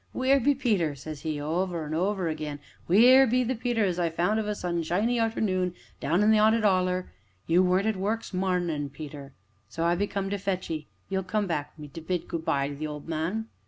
'Wheer be Peter?' says 'e over an' over again; 'wheer be the Peter as I found of a sunshiny arternoon, down in th' 'aunted 'Oller?' You weren't at work 's marnin', Peter, so I be come to fetch 'ee you'll come back wi' me to bid 'good by' to the old man?"